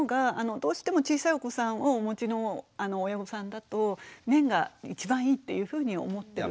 どうしても小さいお子さんをお持ちの親御さんだと綿が一番いいっていうふうに思ってる。